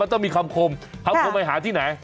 ต้องมีคำคมคำคมไปหาที่ไหน